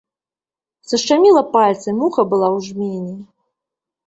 Сашчаміла пальцы, муха была ў жмені.